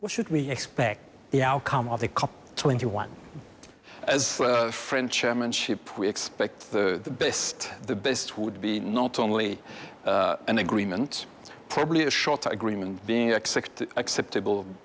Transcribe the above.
เจ้าภาพจะการมีความคิดถูกใจจากทุกคนเพราะที่เราต้องรู้สึกว่า